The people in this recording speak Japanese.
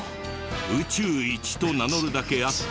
「宇宙一」と名乗るだけあって。